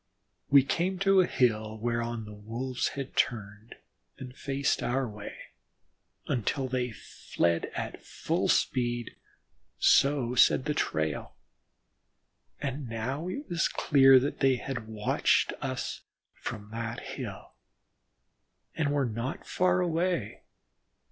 We came to a hill whereon the Wolves had turned and faced our way, then fled at full speed, so said the trail, and now it was clear that they had watched us from that hill, and were not far away.